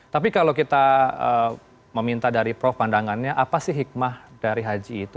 tapi kalau kita meminta dari prof pandangannya apa sih hikmah dari haji itu